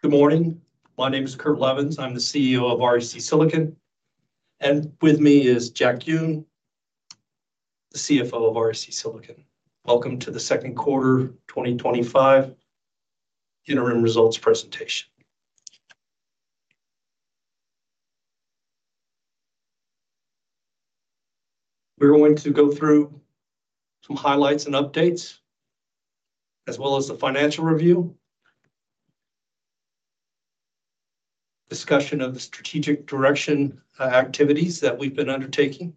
Good morning. My name is Kurt Levens. I'm the CEO of REC Silicon. With me is Jack Yun, the CFO of REC Silicon. Welcome to the Second Quarter 2025 Interim Results Presentation. We're going to go through some highlights and updates, as well as the financial review, discussion of the strategic direction activities that we've been undertaking,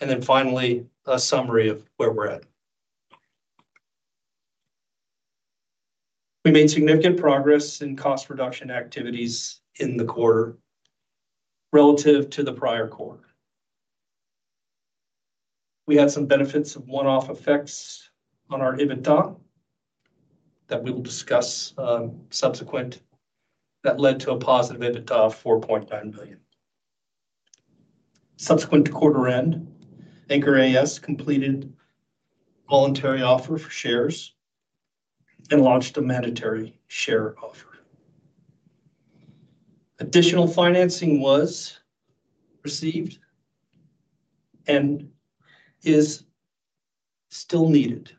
and finally a summary of where we're at. We made significant progress in cost reduction activities in the quarter relative to the prior quarter. We had some benefits of one-off effects on our EBITDA that we will discuss subsequently that led to a positive EBITDA of $4.9 million. Subsequent to quarter end, Anchor AS completed a voluntary offer for shares and launched the mandatory share offer. Additional financing was received and is still needed.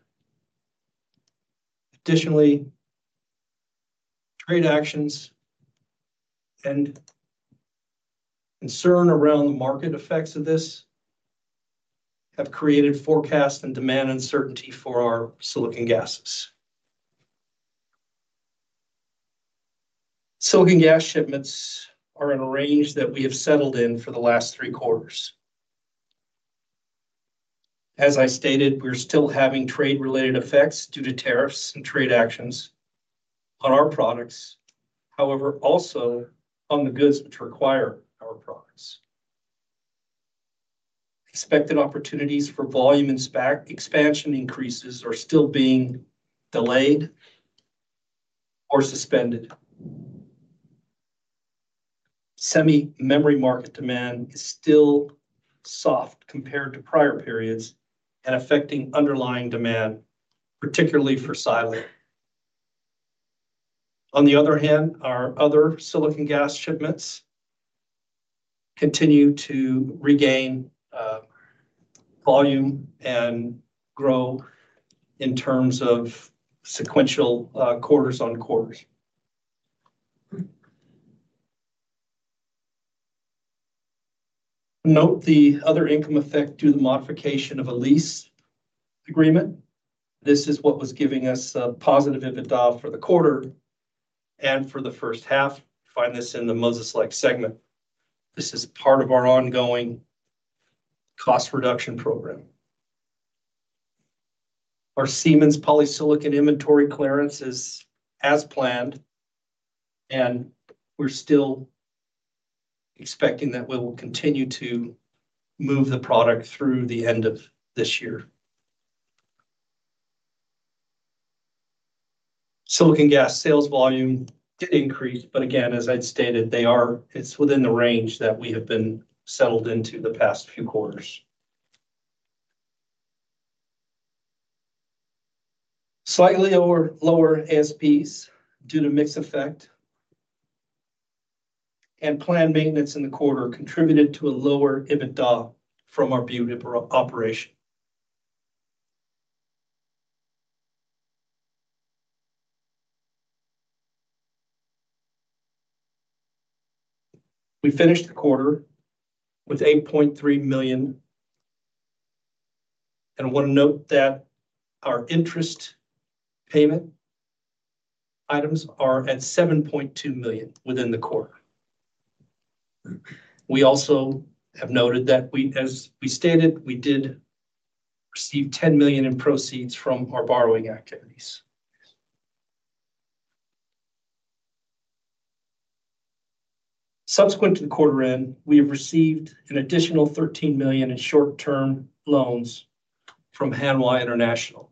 Additionally, trade actions and concern around the market effects of this have created forecast and demand uncertainty for our silicon gases. Silicon gas shipments are in a range that we have settled in for the last three quarters. As I stated, we're still having trade-related effects due to tariffs and trade actions on our products, however, also on the goods which require our products. Expected opportunities for volume and ASP expansion increases are still being delayed or suspended. Semi-memory market demand is still soft compared to prior periods and affecting underlying demand, particularly for silane. On the other hand, our other silicon gas shipments continue to regain volume and grow in terms of sequential quarters on quarters. Note the other income effect due to the modification of a lease agreement. This is what was giving us a positive EBITDA for the quarter and for the first half. Find this in the Moses Lake segment. This is part of our ongoing cost reduction program. Our SIEMENS polysilicon inventory clearance is as planned, and we're still expecting that we will continue to move the product through the end of this year. Silicon gas sales volume increased, but again, as I'd stated, it's within the range that we have been settled into the past few quarters. Slightly lower ASPs due to mix effect, and planned maintenance in the quarter contributed to a lower EBITDA from our Butte segment operation. We finished the quarter with $8.3 million, and one note that our interest payment items are at $7.2 million within the quarter. We also have noted that we, as we stated, we did receive $10 million in proceeds from our borrowing activities. Subsequent to the quarter end, we have received an additional $13 million in short-term loans from Hanwha International.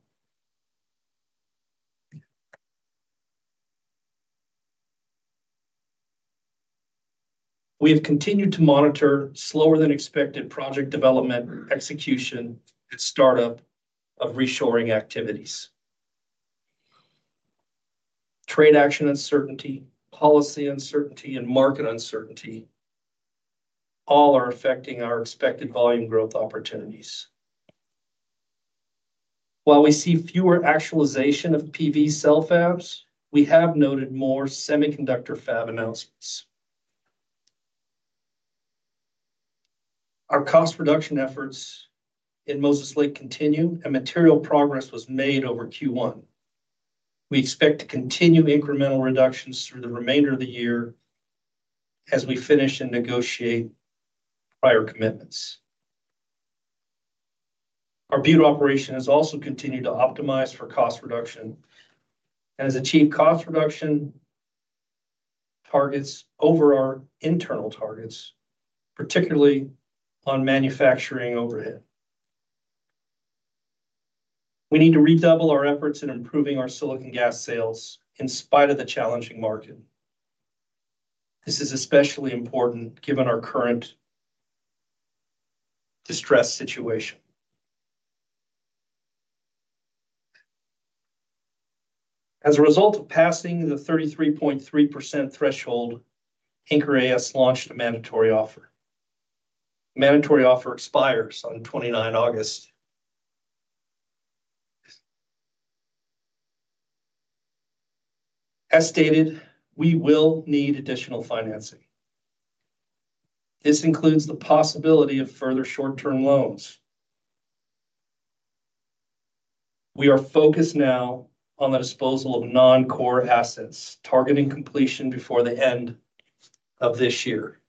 We have continued to monitor slower than expected project development and execution with startup of U.S. reshoring initiatives. Trade action uncertainty, policy uncertainty, and market uncertainty all are affecting our expected volume growth opportunities. While we see fewer actualization of PV cell fabs, we have noted more semiconductor fab announcements. Our cost reduction efforts in Moses Lake continue, and material progress was made over Q1. We expect to continue incremental reductions through the remainder of the year as we finish and negotiate prior commitments. Our BU operation has also continued to optimize for cost reduction and has achieved cost reduction targets over our internal targets, particularly on manufacturing overhead. We need to redouble our efforts in improving our silicon gas sales in spite of the challenging market. This is especially important given our current distress situation. As a result of passing the 33.3% threshold, Anchor AS launched a mandatory offer. The mandatory offer expires on 29 August. As stated, we will need additional financing. This includes the possibility of further short-term loans. We are focused now on the disposal of non-core assets, targeting completion before the end of this year.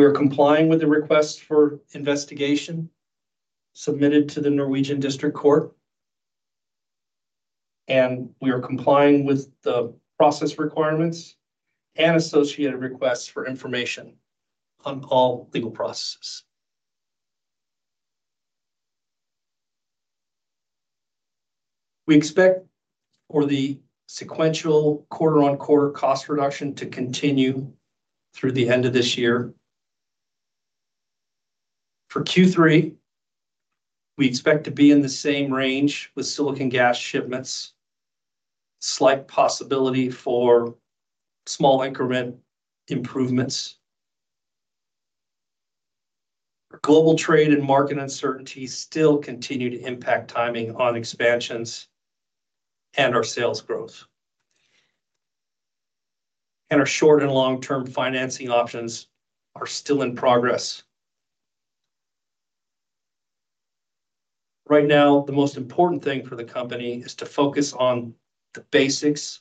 We are complying with the request for investigation submitted to the Norwegian District Court, and we are complying with the process requirements and associated requests for information on all legal processes. We expect for the sequential quarter-on-quarter cost reduction to continue through the end of this year. For Q3, we expect to be in the same range with silicon gas shipments, slight possibility for small increment improvements. Global trade and market uncertainty still continue to impact timing on expansions and our sales growth. Our short and long-term financing options are still in progress. Right now, the most important thing for the company is to focus on the basics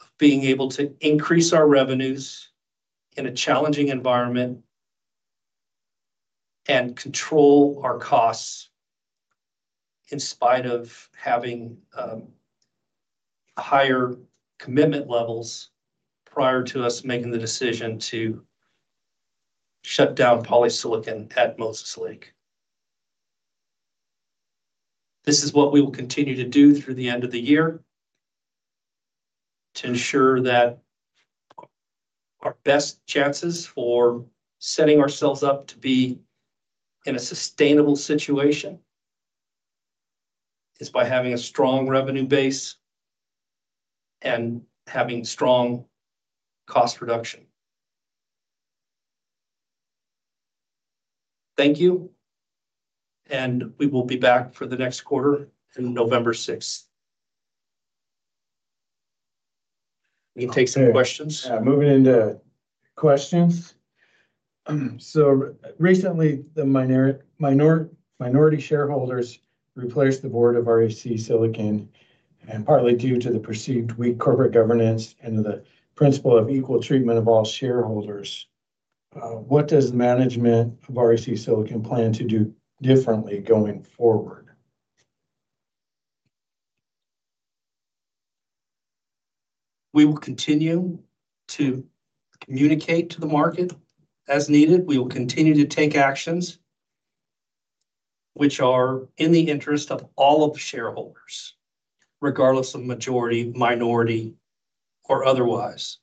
of being able to increase our revenues in a challenging environment and control our costs in spite of having higher commitment levels prior to us making the decision to shut down polysilicon at Moses Lake. This is what we will continue to do through the end of the year to ensure that our best chances for setting ourselves up to be in a sustainable situation is by having a strong revenue base and having strong cost reduction. Thank you. We will be back for the next quarter on November 6th. We can take some questions. Yeah. Moving into questions. Recently, the minority shareholders replaced the board of REC Silicon, and partly due to the perceived weak corporate governance and the principle of equal treatment of all shareholders, what does the management of REC Silicon plan to do differently going forward? We will continue to communicate to the market as needed. We will continue to take actions which are in the interest of all of the shareholders, regardless of majority, minority, or otherwise,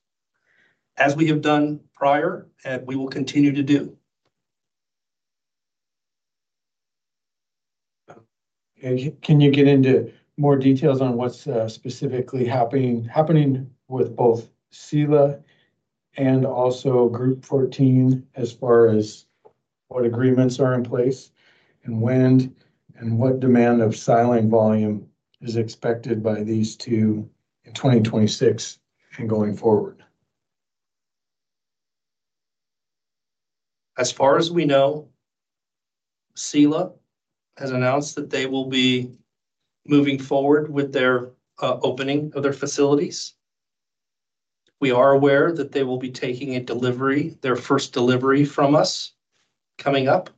as we have done prior and we will continue to do. Can you get into more details on what's specifically happening with both Sila and also Group14 as far as what agreements are in place and when and what demand of silane volume is expected by these two in 2026 and going forward? As far as we know, Sila has announced that they will be moving forward with their opening of their facilities. We are aware that they will be taking a delivery, their first delivery from us coming up.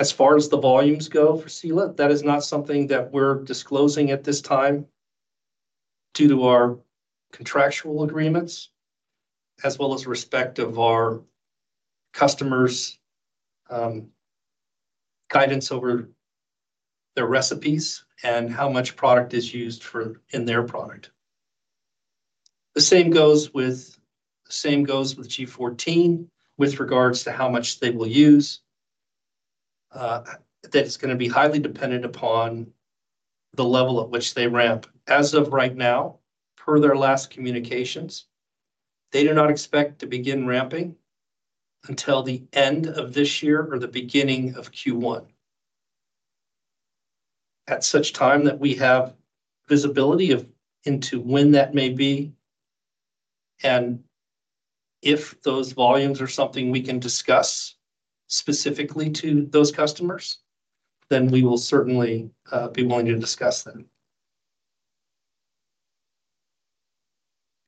As far as the volumes go for Sila, that is not something that we're disclosing at this time due to our contractual agreements, as well as respect of our customers' guidance over their recipes and how much product is used for in their product. The same goes with Group14 with regards to how much they will use, that it's going to be highly dependent upon the level at which they ramp. As of right now, per their last communications, they do not expect to begin ramping until the end of this year or the beginning of Q1. At such time that we have visibility into when that may be and if those volumes are something we can discuss specifically to those customers, then we will certainly be willing to discuss them.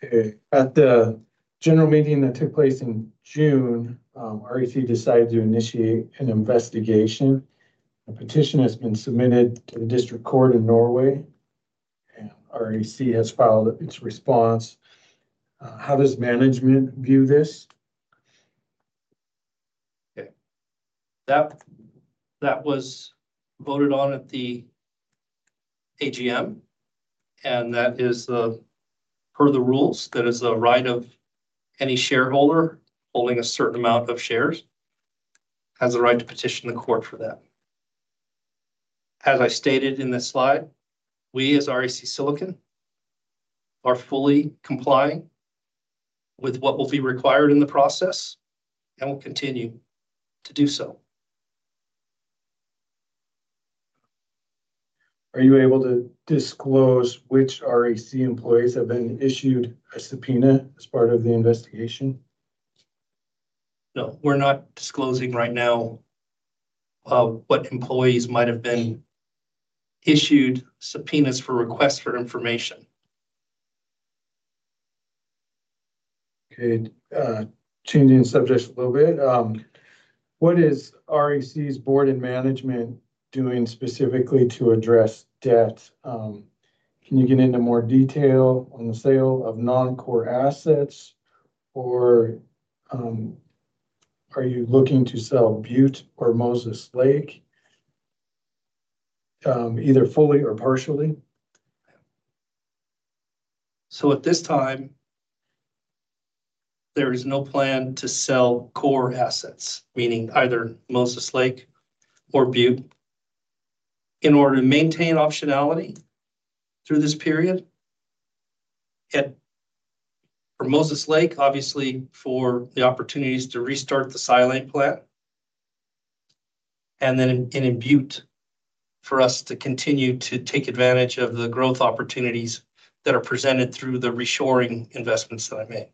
Okay. At the general meeting that took place in June, REC Silicon decided to initiate an investigation. A petition has been submitted to the district court in Norway, and REC Silicon has filed its response. How does management view this? Okay. That was voted on at the AGM, and that is per the rules, that is the right of any shareholder holding a certain amount of shares has the right to petition the court for that. As I stated in this slide, we as REC Silicon are fully complying with what will be required in the process and will continue to do so. Are you able to disclose which REC Silicon employees have been issued a subpoena as part of the investigation? No. We're not disclosing right now what employees might have been issued subpoenas for requests for information. Okay. Changing subjects a little bit. What is REC Silicon's board and management doing specifically to address debt? Can you get into more detail on the sale of non-core assets, or are you looking to sell Butte or Moses Lake, either fully or partially? At this time, there is no plan to sell core assets, meaning either Moses Lake or Butte, in order to maintain optionality through this period. For Moses Lake, obviously, for the opportunities to restart the silane plant, and then in Butte for us to continue to take advantage of the growth opportunities that are presented through the U.S. reshoring investments that I made.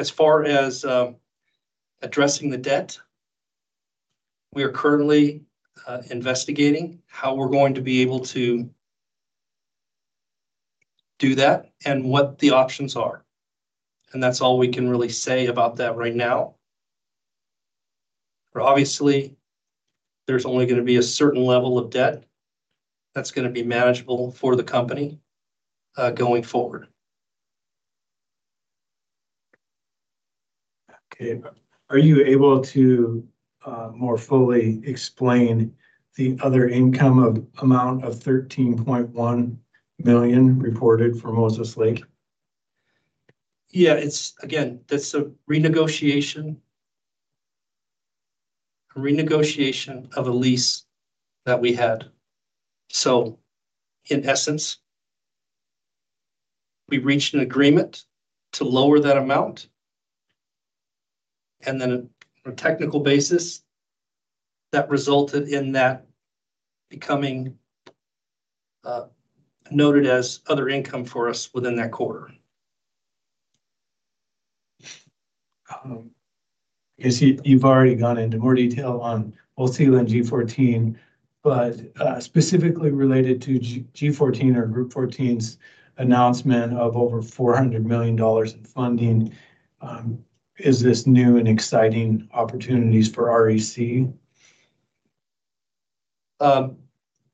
As far as addressing the debt, we are currently investigating how we're going to be able to do that and what the options are. That's all we can really say about that right now. Obviously, there's only going to be a certain level of debt that's going to be manageable for the company going forward. Okay. Are you able to more fully explain the other income amount of $13.1 million reported for Moses Lake? Yeah, it's again, that's a renegotiation of a lease that we had. In essence, we reached an agreement to lower that amount, and then on a technical basis, that resulted in that becoming noted as other income for us within that quarter. I see you've already gone into more detail on both Sila and Group14, but specifically related to Group14 or Group14's announcement of over $400 million in funding, is this new and exciting opportunities for REC Silicon?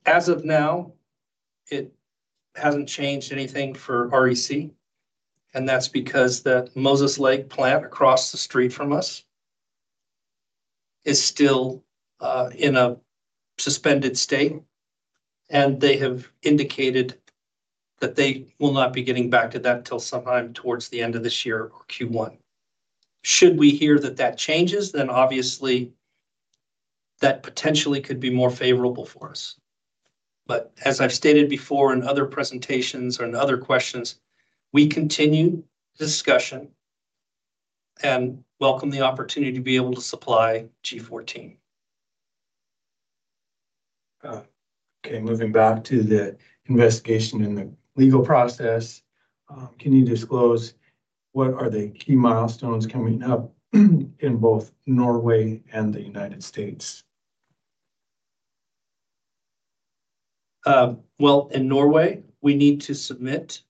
As of now, it hasn't changed anything for REC Silicon, and that's because the Moses Lake plant across the street from us is still in a suspended state, and they have indicated that they will not be getting back to that until sometime towards the end of this year or Q1. Should we hear that that changes, obviously that potentially could be more favorable for us. As I've stated before in other presentations or in other questions, we continue discussion and welcome the opportunity to be able to supply Group14. Okay. Moving back to the investigation and the legal process, can you disclose what are the key milestones coming up in both Norway and the U.S.? In Norway, we need to submit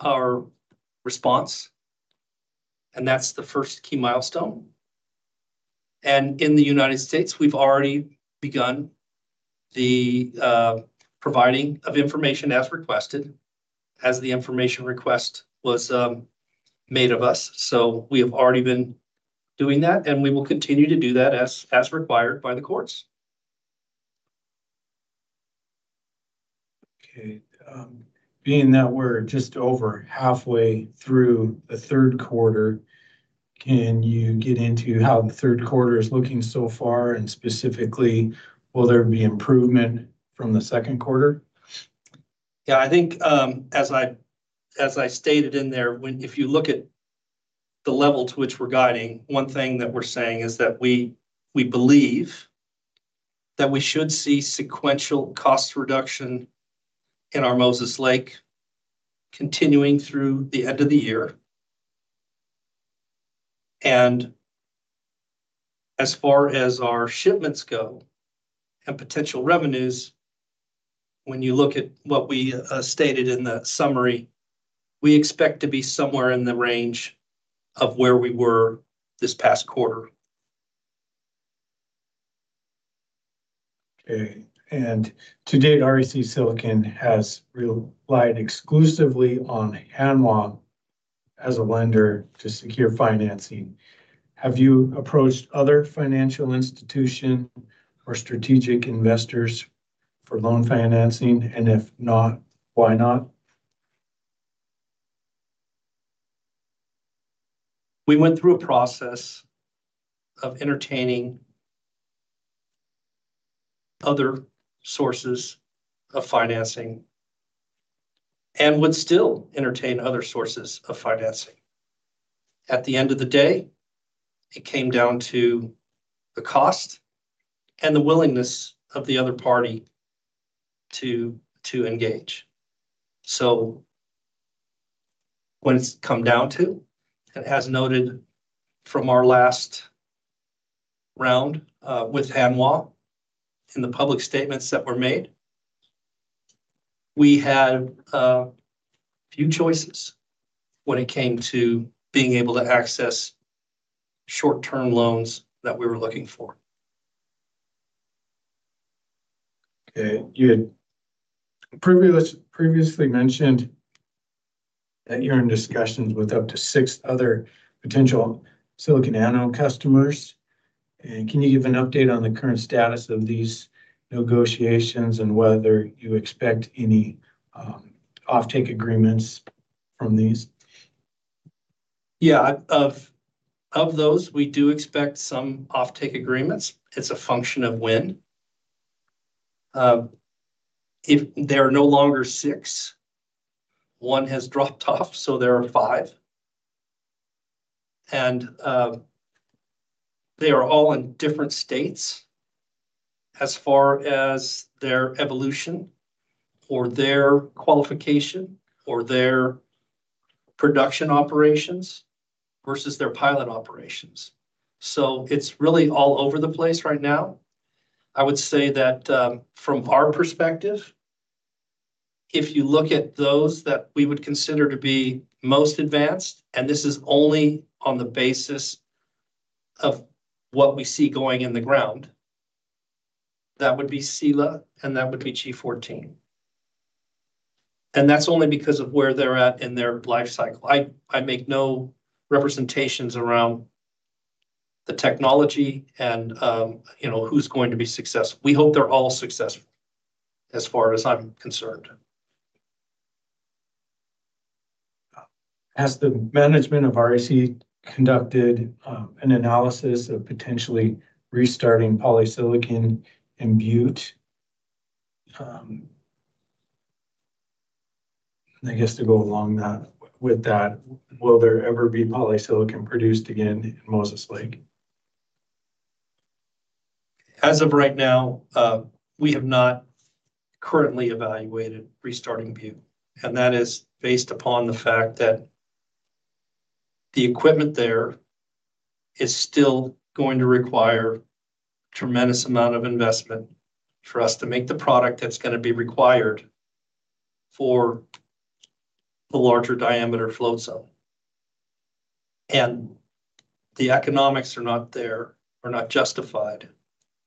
our response, and that's the first key milestone. In the U.S., we've already begun the providing of information as requested as the information request was made of us. We have already been doing that, and we will continue to do that as required by the courts. Okay. Being that we're just over halfway through the third quarter, can you get into how the third quarter is looking so far, and specifically, will there be improvement from the second quarter? I think as I stated in there, if you look at the level to which we're guiding, one thing that we're saying is that we believe that we should see sequential cost reduction in our Moses Lake continuing through the end of the year. As far as our shipments go and potential revenues, when you look at what we stated in the summary, we expect to be somewhere in the range of where we were this past quarter. Okay. To date, REC Silicon has relied exclusively on Hanwha as a lender to secure financing. Have you approached other financial institutions or strategic investors for loan financing? If not, why not? We went through a process of entertaining other sources of financing and would still entertain other sources of financing. At the end of the day, it came down to the cost and the willingness of the other party to engage. When it's come down to, and as noted from our last round with Hanwha in the public statements that were made, we had a few choices when it came to being able to access short-term loans that we were looking for. Okay. You had previously mentioned that you're in discussions with up to six other potential silicon anode customers. Can you give an update on the current status of these negotiations and whether you expect any offtake agreements from these? Yeah. Of those, we do expect some offtake agreements. It's a function of when. If there are no longer six, one has dropped off, so there are five. They are all in different states as far as their evolution or their qualification or their production operations versus their pilot operations. It's really all over the place right now. I would say that from our perspective, if you look at those that we would consider to be most advanced, and this is only on the basis of what we see going in the ground, that would be Sila and that would be Group14. That's only because of where they're at in their life cycle. I make no representations around the technology and, you know, who's going to be successful. We hope they're all successful as far as I'm concerned. Has the management of REC Silicon conducted an analysis of potentially restarting polysilicon in Butte? I guess to go along with that, will there ever be polysilicon produced again in Moses Lake? As of right now, we have not currently evaluated restarting Butte. That is based upon the fact that the equipment there is still going to require a tremendous amount of investment for us to make the product that's going to be required for the larger diameter flow cell. The economics are not there or not justified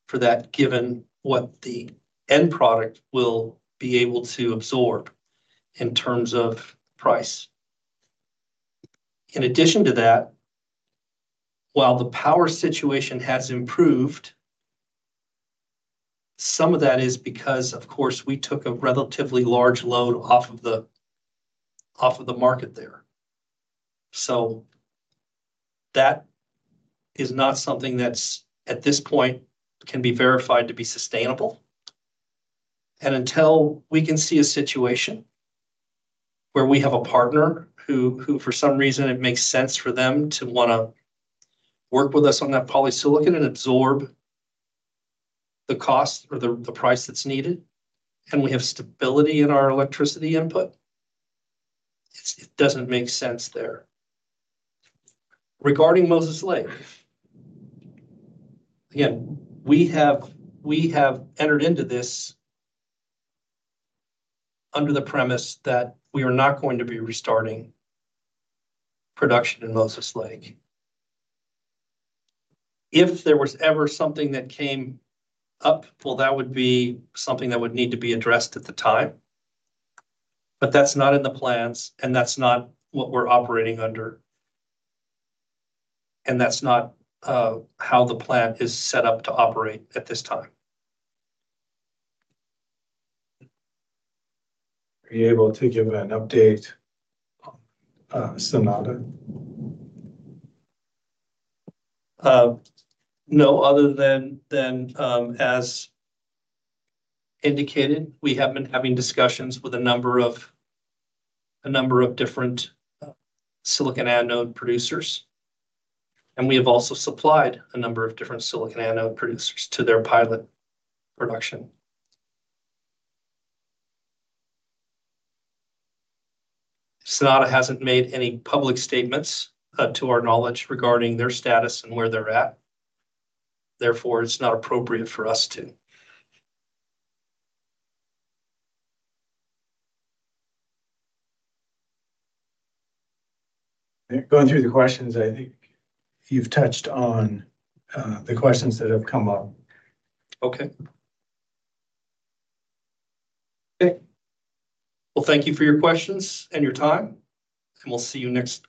for that given what the end product will be able to absorb in terms of price. In addition to that, while the power situation has improved, some of that is because, of course, we took a relatively large load off of the market there. That is not something that at this point can be verified to be sustainable. Until we can see a situation where we have a partner who, for some reason, it makes sense for them to want to work with us on that polysilicon and absorb the cost or the price that's needed, and we have stability in our electricity input, it doesn't make sense there. Regarding Moses Lake, we have entered into this under the premise that we are not going to be restarting production in Moses Lake. If there was ever something that came up, that would be something that would need to be addressed at the time. That's not in the plans, and that's not what we're operating under. That's not how the plant is set up to operate at this time. Are you able to give an update? No, other than, as indicated, we have been having discussions with a number of different silicon anode producers. We have also supplied a number of different silicon anode producers to their pilot production. [Sila] hasn't made any public statements to our knowledge regarding their status and where they're at. Therefore, it's not appropriate for us to. Okay. Going through the questions, I think you've touched on the questions that have come up. Okay. Thank you for your questions and your time, and we'll see you next.